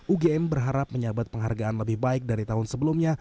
ugm berharap menyabat penghargaan lebih baik dari tahun sebelumnya